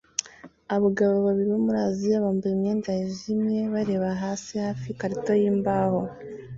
Abagabo babiri bo muri Aziya bambaye imyenda yijimye bareba hasi hafi yikarito yimbaho